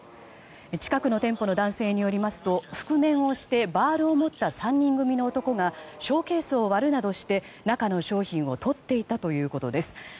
近くの店舗の男性によりますと覆面をしてバールを持った３人組の男がショーケースを割るなどして中の商品をとっていたということです。